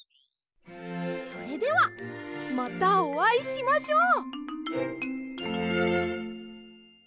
それではまたおあいしましょう。